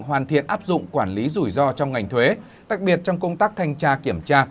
hoàn thiện áp dụng quản lý rủi ro trong ngành thuế đặc biệt trong công tác thanh tra kiểm tra